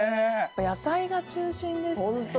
野菜が中心ですね。